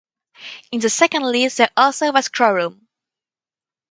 In the second list there also was quorum.